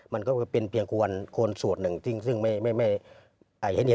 มันก็เป็นเพียงควรคนสูตรหนึ่งซึ่งไม่เห็นกันอยู่หรือนะฮะ